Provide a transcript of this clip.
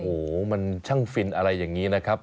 โอ้โหมันช่างฟินอะไรอย่างนี้นะครับ